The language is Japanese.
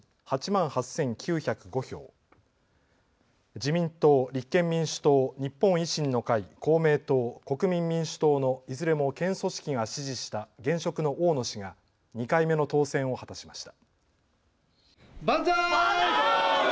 自民党、立憲民主党日本維新の会、公明党、国民民主党のいずれも県組織が支持した現職の大野氏が２回目の当選を果たしました。